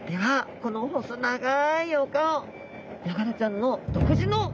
この細長いお顔